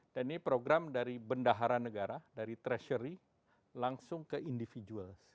dan ini program dari bendahara negara dari treasury langsung ke individual